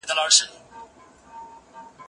زه به سبا سينه سپين کړم